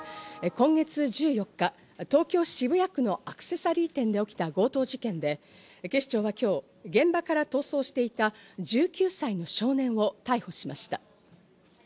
今月１４日、東京・渋谷区のアクセサリー店で起きた強盗事件で、警視庁は今日現場から逃走していた１９歳の少年を逮捕しました。